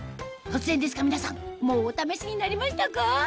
突然ですが皆さんもうお試しになりましたか？